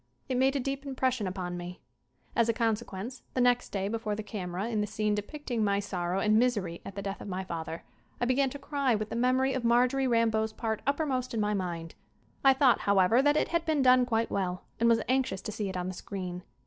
It made a deep impression upon me. As a consequence, the next day before the camera in the scene depicting my sorrow and misery at the death of my father, I began to cry with the memory of Marjorie Rambeau's part uppermost in my mind. I thought, how ever, that it had been done quite well and was anxious to see it on the screen.